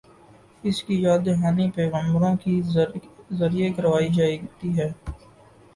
اس کی یاد دہانی پیغمبروں کے ذریعے کرائی جاتی ہے۔